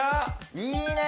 いいね！